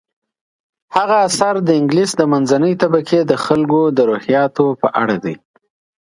هغه اثر د انګلیس د منځنۍ طبقې د خلکو د روحیاتو په اړه دی.